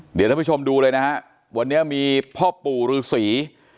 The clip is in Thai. เดี๋ยวท่านผู้ชมดูเลยนะฮะวันนี้มีพ่อปู่ฤษี